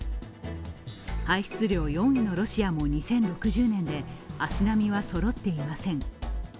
排出量４位のロシアも２０６０年で足並みはそろっていません。